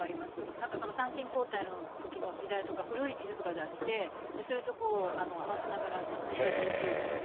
なんか参勤交代のときの時代とか、古い地図とか出して、それとこう、合わせながら訪ねていくということで。